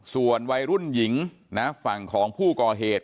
ส่วนวัยรุ่นหญิงนะฝั่งของผู้ก่อเหตุ